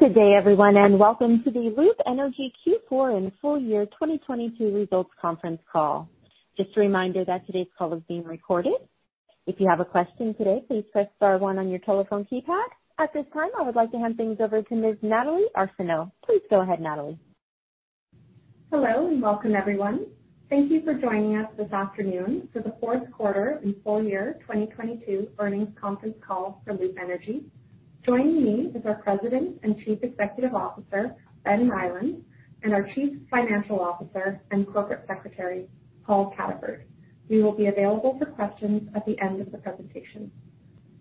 Good day, everyone, and welcome to the Loop Energy Q4 and full year 2022 results conference call. Just a reminder that today's call is being recorded. If you have a question today, please press star one on your telephone keypad. At this time, I would like to hand things over to Ms. Natalie Arsenault. Please go ahead, Natalie. Hello, and welcome, everyone. Thank you for joining us this afternoon for the fourth quarter and full year 2022 earnings conference call for Loop Energy. Joining me is our President and Chief Executive Officer, Ben Nyland, and our Chief Financial Officer and Corporate Secretary, Paul Cataford. We will be available for questions at the end of the presentation.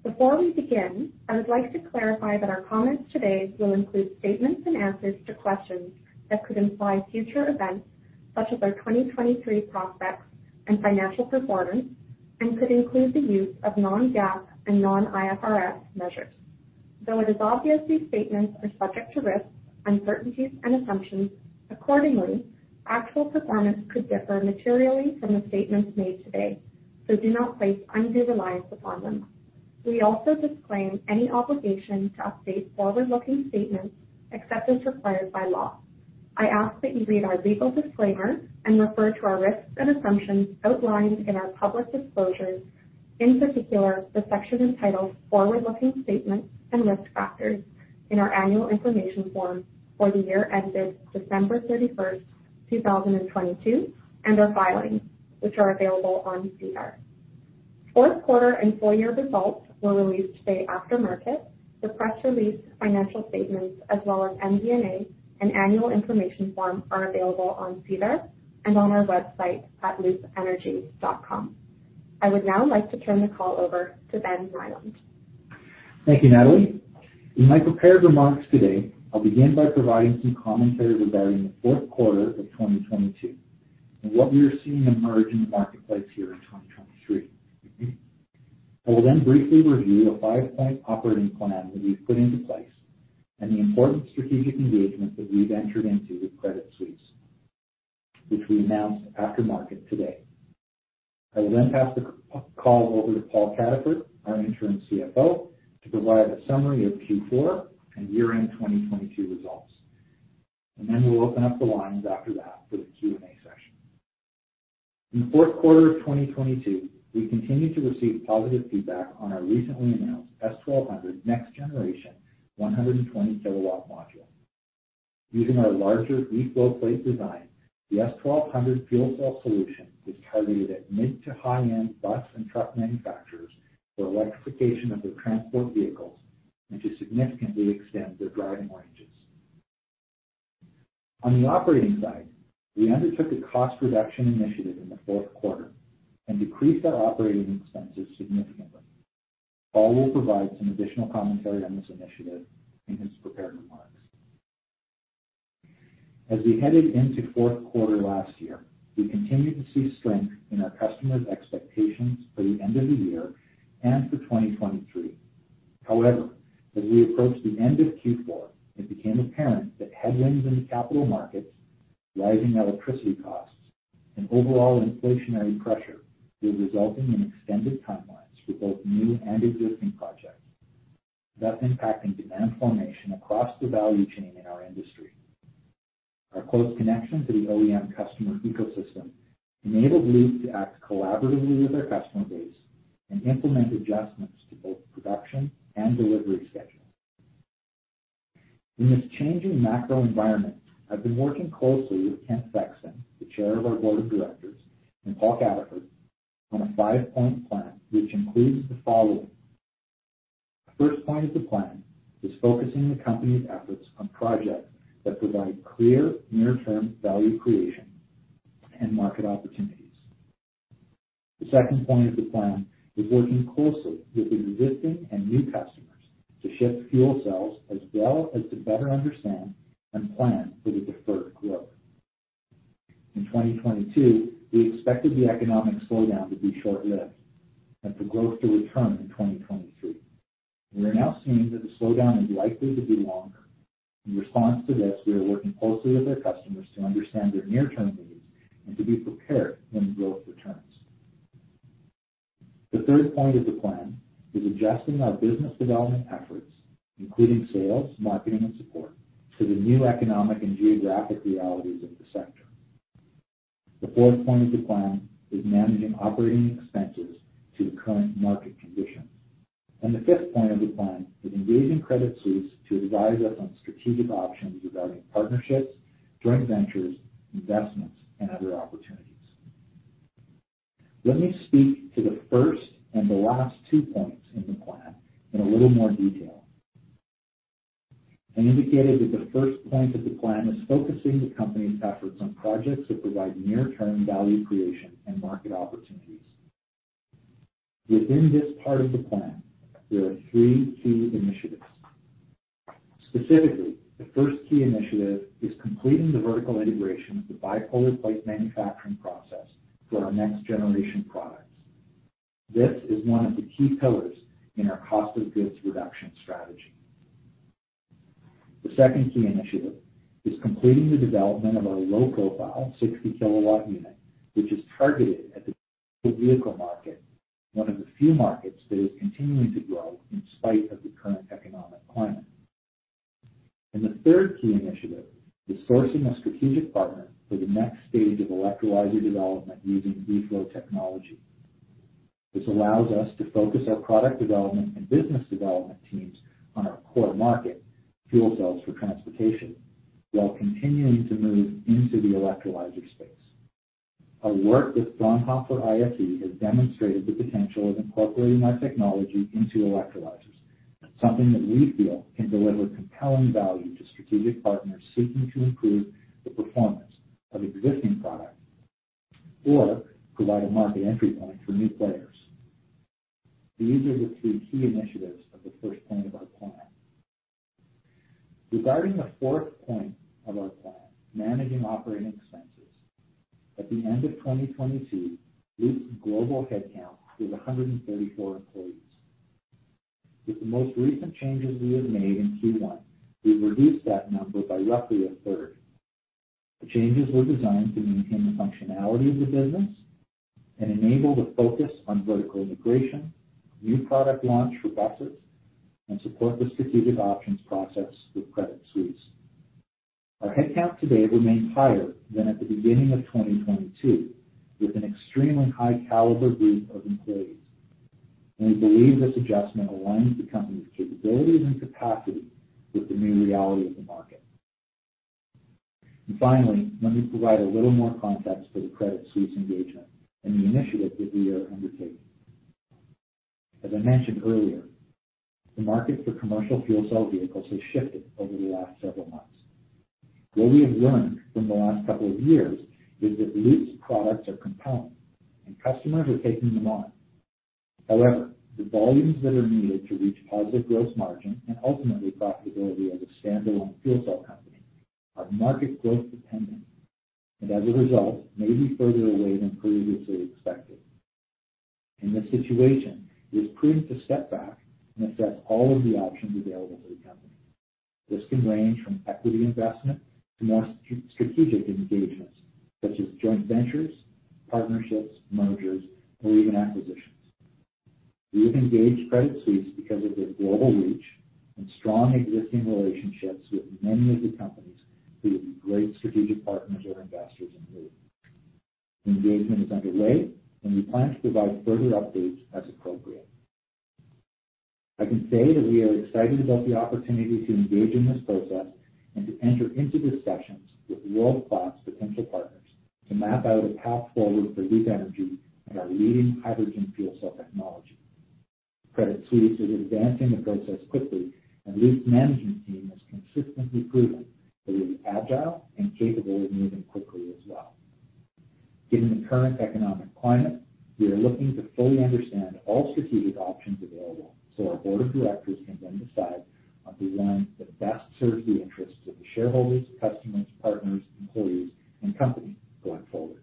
Before we begin, I would like to clarify that our comments today will include statements and answers to questions that could imply future events such as our 2023 prospects and financial performance and could include the use of non-GAAP and non-IFRS measures. Though it is obvious these statements are subject to risks, uncertainties, and assumptions, accordingly, actual performance could differ materially from the statements made today, so do not place undue reliance upon them. We also disclaim any obligation to update Forward-Looking Statements except as required by law. I ask that you read our legal disclaimer and refer to our risks and assumptions outlined in our public disclosures, in particular the section entitled Forward-Looking Statements and Risk Factors in our annual information form for the year ended December 31st, 2022, and our filings, which are available on SEDAR. Fourth quarter and full-year results were released today after market. The press release, financial statements, as well as MD&A and annual information form are available on SEDAR and on our website at loopenergy.com. I would now like to turn the call over to Ben Nyland. Thank you, Natalie. In my prepared remarks today, I'll begin by providing some commentary regarding the fourth quarter of 2022 and what we are seeing emerge in the marketplace here in 2023. I will briefly review a five-point operating plan that we've put into place and the important strategic engagement that we've entered into with Credit Suisse, which we announced after market today. I will pass the call over to Paul Cataford, our interim CFO, to provide a summary of Q4 and year-end 2022 results. We'll open up the lines after that for the Q&A session. In the fourth quarter of 2022, we continued to receive positive feedback on our recently announced S1200 next generation 120 kilowatt module. Using our larger eFlow plate design, the S1200 fuel cell solution is targeted at mid to high-end bus and truck manufacturers for electrification of their transport vehicles and to significantly extend their driving ranges. On the operating side, we undertook a cost reduction initiative in the fourth quarter and decreased our operating expenses significantly. Paul will provide some additional commentary on this initiative in his prepared remarks. As we headed into fourth quarter last year, we continued to see strength in our customers' expectations for the end of the year and for 2023. However, as we approached the end of Q4, it became apparent that headwinds in the capital markets, rising electricity costs, and overall inflationary pressure were resulting in extended timelines for both new and existing projects, thus impacting demand formation across the value chain in our industry. Our close connection to the OEM customer ecosystem enabled Loop to act collaboratively with our customer base and implement adjustments to both production and delivery schedules. In this changing macro environment, I've been working closely with Kent Thexton, the Chair of our Board of Directors, and Paul Cataford, on a five-point plan, which includes the following. The first point of the plan is focusing the company's efforts on projects that provide clear near-term value creation and market opportunities. The second point of the plan is working closely with existing and new customers to ship fuel cells, as well as to better understand and plan for the deferred growth. In 2022, we expected the economic slowdown to be short-lived and for growth to return in 2023. We are now seeing that the slowdown is likely to be longer. In response to this, we are working closely with our customers to understand their near-term needs and to be prepared when growth returns. The third point of the plan is adjusting our business development efforts, including sales, marketing, and support, to the new economic and geographic realities of the sector. The fourth point of the plan is managing operating expenses to the current market conditions. The fifth point of the plan is engaging Credit Suisse to advise us on strategic options regarding partnerships, joint ventures, investments, and other opportunities. Let me speak to the first and the last two points in the plan in a little more detail. I indicated that the first point of the plan is focusing the company's efforts on projects that provide near-term value creation and market opportunities. Within this part of the plan, there are three key initiatives. Specifically, the first key initiative is completing the vertical integration of the bipolar plate manufacturing process for our next generation products. This is one of the key pillars in our cost of goods reduction strategy. The second key initiative is completing the development of our low-profile 60 kilowatt unit, which is targeted at the commercial vehicle market, one of the few markets that is continuing to grow in spite of the current economic climate. The third key initiative is sourcing a strategic partner for the next stage of electrolyzer development using eFlow technology, which allows us to focus our product development and business development teams on our core market, fuel cells for transportation, while continuing to move into the electrolyzer space. Our work with Fraunhofer ISE has demonstrated the potential of incorporating our technology into electrolyzers, something that we feel can deliver compelling value to strategic partners seeking to improve the performance of existing products or provide a market entry point for new players. These are the three key initiatives of the first point of our plan. Regarding the fourth point of our plan, managing operating expenses. At the end of 2022, Loop's global headcount was 134 employees. With the most recent changes we have made in Q1, we've reduced that number by roughly a third. The changes were designed to maintain the functionality of the business and enable the focus on vertical integration, new product launch for buses, and support the strategic options procces with Credit Suisse. Our headcount today remains higher than at the beginning of 2022, with an extremely high caliber group of employees. We believe this adjustment aligns the company's capabilities and capacity with the new reality of the market. Finally, let me provide a little more context for the Credit Suisse engagement and the initiative that we are undertaking. As I mentioned earlier, the market for commercial fuel cell vehicles has shifted over the last several months. What we have learned from the last couple of years is that Loop's products are compelling and customers are taking them on. However, the volumes that are needed to reach positive gross margin and ultimately profitability as a standalone fuel cell company are market growth dependent, and as a result, may be further away than previously expected. In this situation, it is prudent to step back and assess all of the options available to the company. This can range from equity investment to more strategic engagements such as joint ventures, partnerships, mergers, or even acquisitions. We have engaged Credit Suisse because of their global reach and strong existing relationships with many of the companies who would be great strategic partners or investors in Loop. The engagement is underway, and we plan to provide further updates as appropriate. I can say that we are excited about the opportunity to engage in this process and to enter into discussions with world-class potential partners to map out a path forward for Loop Energy and our leading hydrogen fuel cell technology. Credit Suisse is advancing the process quickly, and Loop's management team has consistently proven that it is agile and capable of moving quickly as well. Given the current economic climate, we are looking to fully understand all strategic options available so our board of directors can then decide on the one that best serves the interests of the shareholders, customers, partners, employees and company going forward.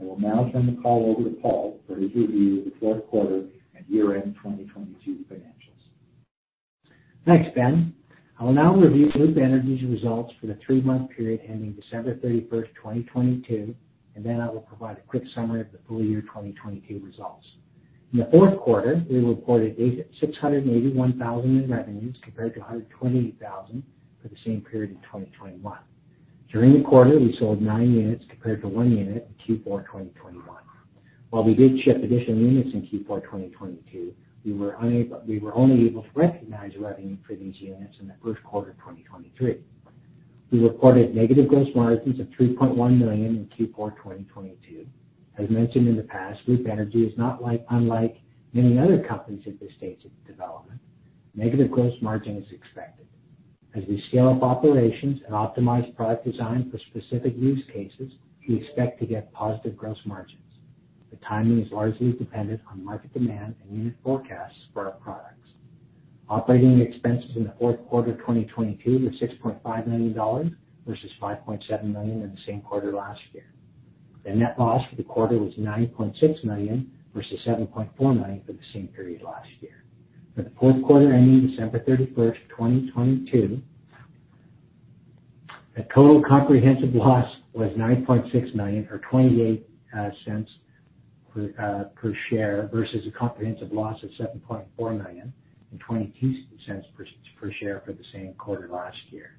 I will now turn the call over to Paul for his review of the fourth quarter and year-end 2022 financials. Thanks, Ben. I will now review Loop Energy's results for the three-month period ending December 31, 2022, and then I will provide a quick summary of the full year 2022 results. In the fourth quarter, we reported 681,000 in revenues, compared to 128,000 for the same period in 2021. During the quarter, we sold 9 units compared to one unit in Q4 2021. While we did ship additional units in Q4 2022, we were only able to recognize revenue for these units in the first quarter of 2023. We reported negative gross margins of 3.1 million in Q4 2022. As mentioned in the past, Loop Energy is unlike many other companies at this stage of development, negative gross margin is expected. As we scale up operations and optimize product design for specific use cases, we expect to get positive gross margins. The timing is largely dependent on market demand and unit forecasts for our products. Operating expenses in the fourth quarter 2022 were 6.5 million dollars, versus 5.7 million in the same quarter last year. The net loss for the quarter was 9.6 million versus 7.4 million for the same period last year. For the fourth quarter ending December 31st, 2022, the total comprehensive loss was 9.6 million or 0.28 per share versus a comprehensive loss of 7.4 million and 0.22 per share for the same quarter last year.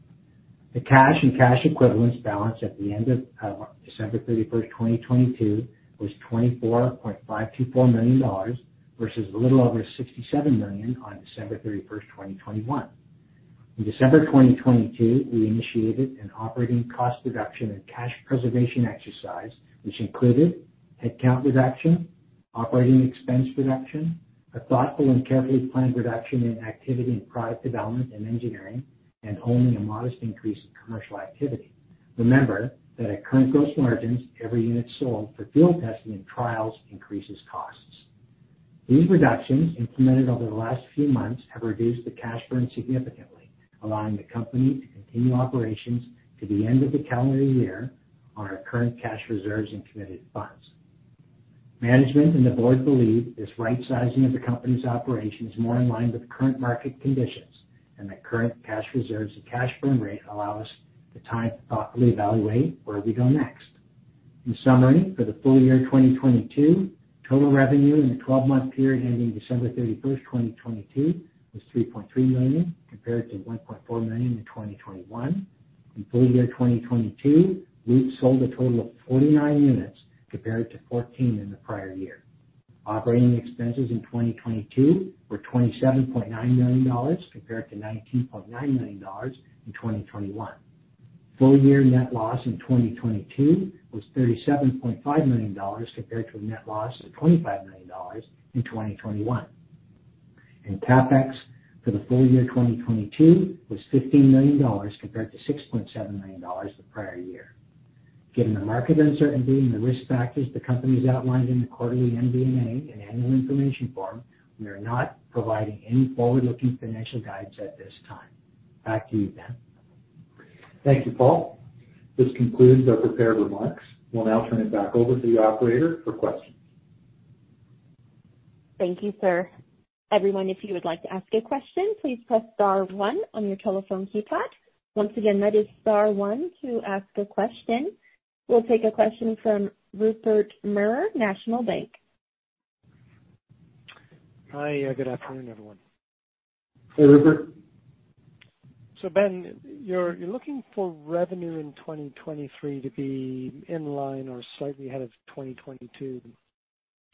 The cash and cash equivalents balance at the end of December 31, 2022 was 24.524 million dollars versus a little over 67 million on December 31, 2021. In December 2022, we initiated an operating cost reduction and cash preservation exercise, which included headcount reduction, operating expense reduction, a thoughtful and carefully planned reduction in activity in product development and engineering, and only a modest increase in commercial activity. Remember that at current gross margins, every unit sold for field testing and trials increases costs. These reductions, implemented over the last few months, have reduced the cash burn significantly, allowing the company to continue operations to the end of the calendar year on our current cash reserves and committed funds. management and the board believe this rightsizing of the company's operations is more in line with the current market conditions and that current cash reserves and cash burn rate allow us the time to thoughtfully evaluate where we go next. In summary, for the full year 2022, total revenue in the 12-month period ending December 31, 2022 was 3.3 million, compared to 1.4 million in 2021. In full year 2022, we sold a total of 49 units compared to 14 in the prior year. Operating expenses in 2022 were 27.9 million dollars compared to 19.9 million dollars in 2021. Full year net loss in 2022 was 37.5 million dollars compared to a net loss of 25 million dollars in 2021. CapEx for the full year 2022 was 15 million dollars compared to 6.7 million dollars the prior year. Given the market uncertainty and the risk factors the company has outlined in the quarterly MD&A and annual information form, we are not providing any forward-looking financial guidance at this time. Back to you, Ben. Thank you, Paul. This concludes our prepared remarks. We'll now turn it back over to the operator for questions. Thank you, sir. Everyone, if you would like to ask a question, please press Star one on your telephone keypad. Once again, that is star one to ask a question. We'll take a question from Rupert Merer, National Bank. Hi. Good afternoon, everyone. Hey, Rupert. Ben, you're looking for revenue in 2023 to be in line or slightly ahead of 2022.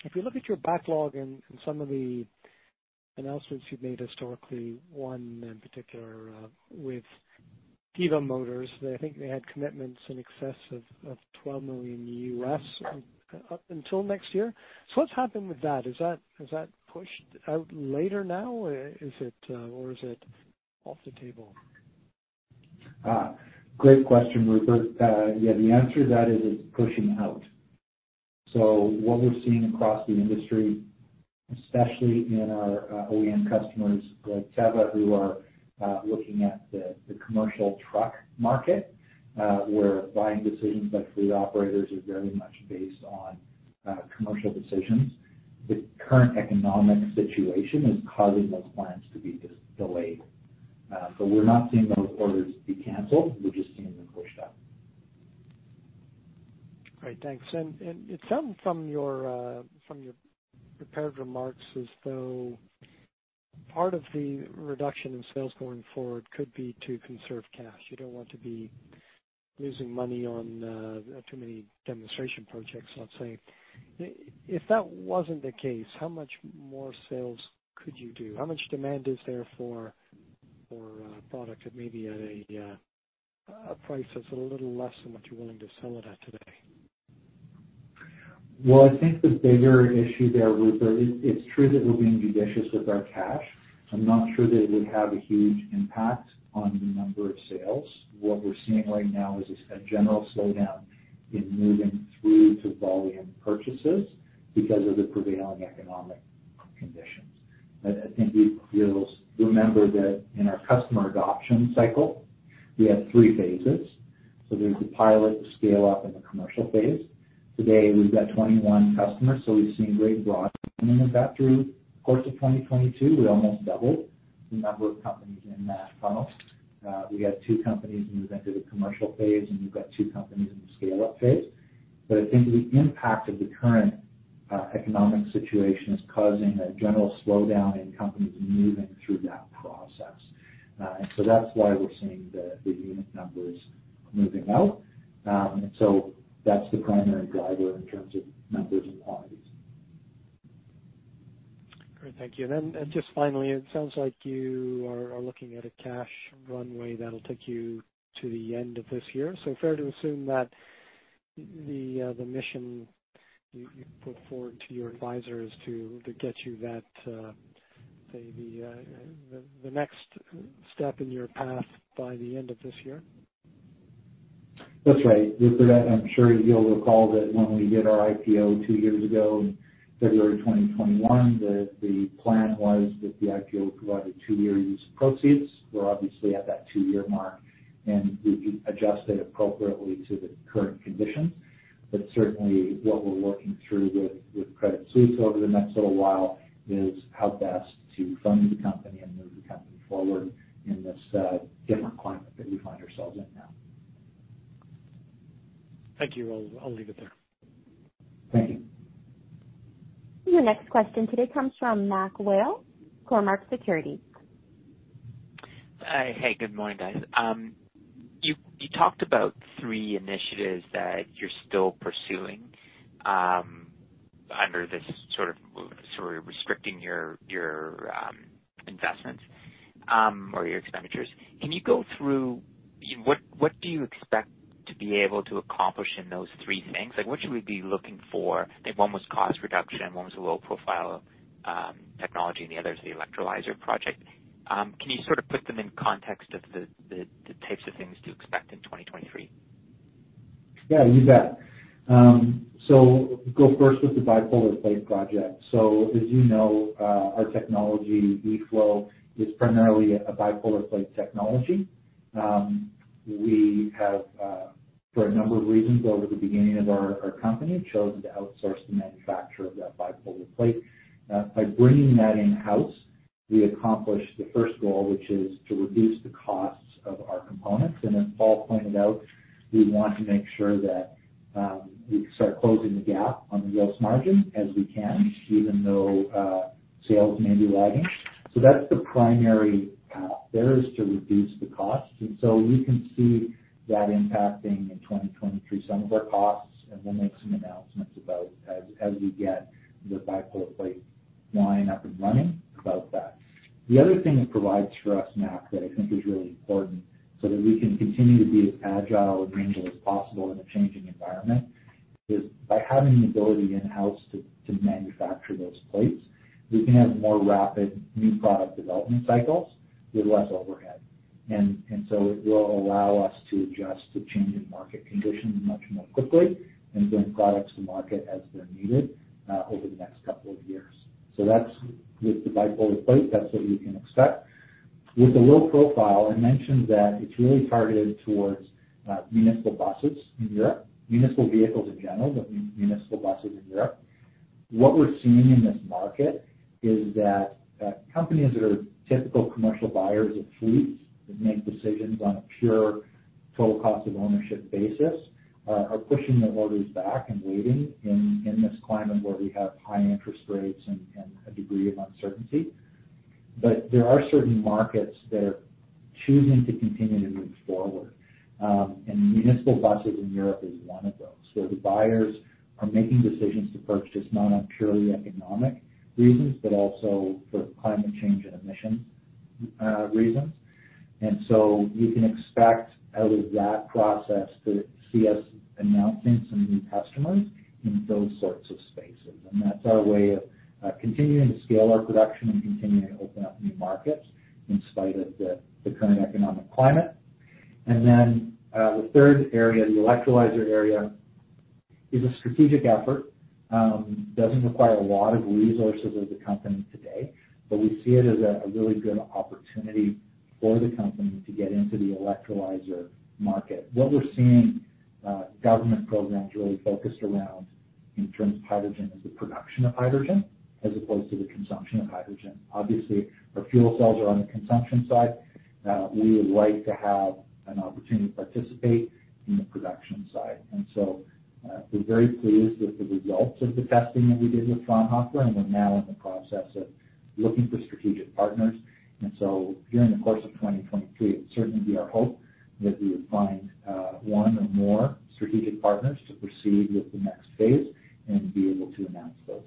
If you look at your backlog and some of the announcements you've made historically, one in particular, with Tevva Motors, I think they had commitments in excess of $12 million, up until next year. What's happened with that? Is that pushed out later now? Is it... Or is it off the table? Great question, Rupert. Yeah, the answer to that is it's pushing out. What we're seeing across the industry, especially in our OEM customers like Tevva, who are looking at the commercial truck market, where buying decisions by fleet operators are very much based on commercial decisions. The current economic situation is causing those plans to be just delayed. We're not seeing those orders be canceled. We're just seeing them pushed out. Great. Thanks. It sound from your prepared remarks as though part of the reduction in sales going forward could be to conserve cash. You don't want to be losing money on too many demonstration projects, let's say. If that wasn't the case, how much more sales could you do? How much demand is there for product at maybe at a price that's a little less than what you're willing to sell it at today? Well, I think the bigger issue there, Rupert, it's true that we're being judicious with our cash. I'm not sure that it would have a huge impact on the number of sales. What we're seeing right now is a general slowdown in moving through to volume purchases because of the prevailing economic conditions. I think you'll remember that in our customer adoption cycle, we have three phases. There's the pilot, the scale-up, and the commercial phase. Today, we've got 21 customers, so we've seen great broadening of that through course of 2022. We almost doubled the number of companies in that funnel. We have two companies who have entered the commercial phase, and we've got two companies in the scale-up phase. I think the impact of the current economic situation is causing a general slowdown in companies moving through that process. That's why we're seeing the unit numbers moving out. That's the primary driver in terms of numbers and quantities. Great. Thank you. Just finally, it sounds like you are looking at a cash runway that'll take you to the end of this year. Fair to assume that the mission you put forward to your advisor is to get you that the next step in your path by the end of this year? That's right, Rupert. I'm sure you'll recall that when we did our IPO two years ago in February 2021, the plan was that the IPO provided two years use of proceeds. We're obviously at that two-year mark, and we've adjusted appropriately to the current conditions. Certainly, what we're working through with Credit Suisse over the next little while is how best to fund the company and move the company forward in this different climate that we find ourselves in now. Thank you. I'll leave it there. Thank you. Your next question today comes from MacMurray Whale, Cormark Securities. Hey, good morning, guys. You talked about three initiatives that you're still pursuing, under this sort of restricting your investments, or your expenditures. Can you go through what do you expect to be able to accomplish in those three things? Like, what should we be looking for? I think one was cost reduction and one was a low profile technology, and the other is the electrolyzer project. Can you sort of put them in context of the types of things to expect in 2023? Yeah, you bet. Go first with the bipolar plate project. As you know, our technology, eFlow, is primarily a bipolar plate technology. We have, for a number of reasons over the beginning of our company, chosen to outsource the manufacture of that bipolar plate. By bringing that in-house, we accomplished the first goal, which is to reduce the costs of our components. As Paul pointed out, we want to make sure that we start closing the gap on the gross margin as we can, even though sales may be lagging. That's the primary path there, is to reduce the cost. We can see that impacting in 2023 some of our costs, and we'll make some announcements about as we get the bipolar plate line up and running about that. The other thing it provides for us, Mac, that I think is really important, so that we can continue to be as agile and nimble as possible in a changing environment, is by having the ability in-house to manufacture those plates, we can have more rapid new product development cycles with less overhead. So it will allow us to adjust to changing market conditions much more quickly and bring products to market as they're needed over the next couple of years. That's with the bipolar plate, that's what we can expect. With the low profile, I mentioned that it's really targeted towards municipal buses in Europe, municipal vehicles in general, but municipal buses in Europe. What we're seeing in this market is that companies that are typical commercial buyers of fleets that make decisions on a pure total cost of ownership basis, are pushing their orders back and waiting in this climate where we have high interest rates and a degree of uncertainty. There are certain markets that are choosing to continue to move forward, and municipal buses in Europe is one of those. The buyers are making decisions to purchase not on purely economic reasons but also for climate change and emissions reasons. We can expect out of that process to see us announcing some new customers in those sorts of spaces. That's our way of continuing to scale our production and continuing to open up new markets in spite of the current economic climate. The third area, the electrolyzer area, is a strategic effort. Doesn't require a lot of resources of the company today, but we see it as a really good opportunity for the company to get into the electrolyzer market. What we're seeing, government programs really focused around in terms of hydrogen is the production of hydrogen as opposed to the consumption of hydrogen. Obviously, our fuel cells are on the consumption side. We would like to have an opportunity to participate in the production side. We're very pleased with the results of the testing that we did with Fraunhofer-Gesellschaft, and we're now in the process of looking for strategic partners. During the course of 2023, it would certainly be our hope that we would find, one or more strategic partners to proceed with the next phase and be able to announce those.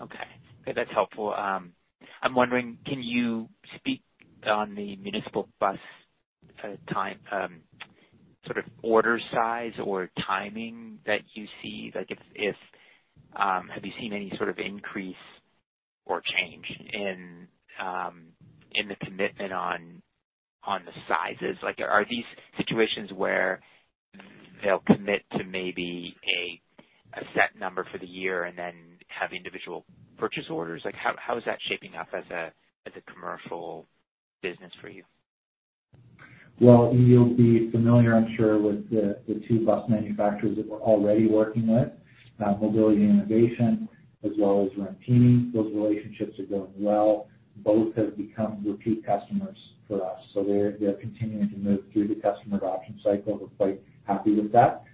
Okay. Okay, that's helpful. I'm wondering, can you speak on the municipal bus, time, sort of order size or timing that you see? Like if, have you seen any sort of increase or change in the commitment on the sizes? Like, are these situations where they'll commit to maybe a set number for the year and then have individual purchase orders? Like, how is that shaping up as a commercial business for you? You'll be familiar, I'm sure, with the two bus manufacturers that we're already working with, Mobility & Innovation as well as Rampini. Those relationships are going well. Both have become repeat customers for us, so they're continuing to move through the customer adoption cycle. We're quite happy with that.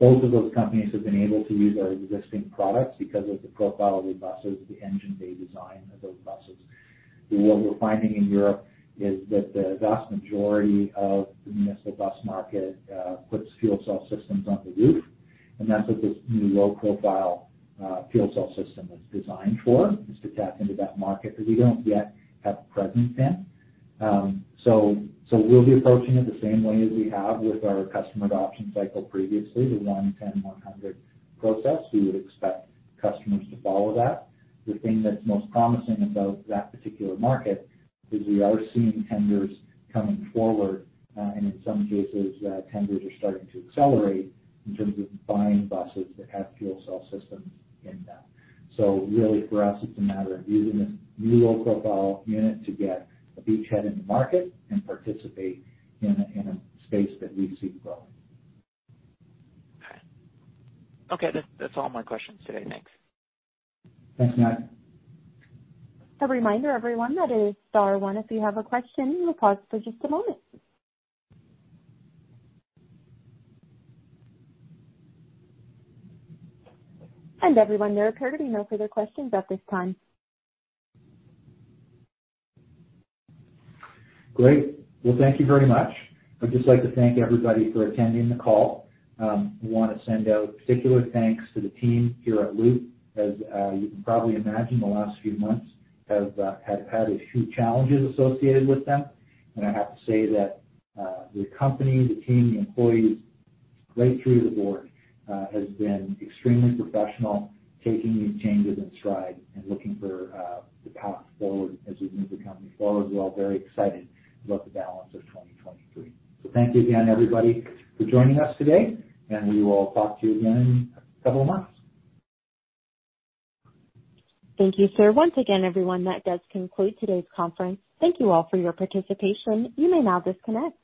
Both of those companies have been able to use our existing products because of the profile of the buses, the engine bay design of those buses. What we're finding in Europe is that the vast majority of the municipal bus market puts fuel cell systems on the roof, and that's what this new low-profile fuel cell system is designed for, is to tap into that market that we don't yet have a presence in. We'll be approaching it the same way as we have with our customer adoption cycle previously, the 1, 10, 100 process. We would expect customers to follow that. The thing that's most promising about that particular market is we are seeing tenders coming forward, and in some cases, tenders are starting to accelerate in terms of buying buses that have fuel cell systems in them. Really for us, it's a matter of using this new low-profile unit to get a beachhead in the market and participate in a, in a space that we see growing. Okay. Okay, that's all my questions today. Thanks. Thanks, Mac. A reminder everyone that is star one if you have a question. We'll pause for just a moment. Everyone, there appear to be no further questions at this time. Great. Well, thank you very much. I'd just like to thank everybody for attending the call. We wanna send out particular thanks to the team here at Loop. As you can probably imagine, the last few months have had a few challenges associated with them. I have to say that the company, the team, the employees right through the board has been extremely professional, taking these changes in stride and looking for the path forward as we move the company forward. We're all very excited about the balance of 2023. Thank you again, everybody, for joining us today, and we will talk to you again in a couple of months. Thank you, sir. Once again, everyone, that does conclude today's conference. Thank you all for your participation. You may now disconnect.